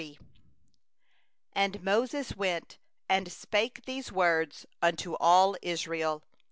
.... And Moses went and spoke these words unto all Israel.